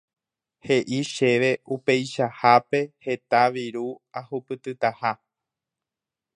He'i chéve upeichahápe heta viru ahupytytaha.